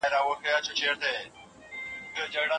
ماشوم ته سمه روزنه ورکول د پلار دنده ده.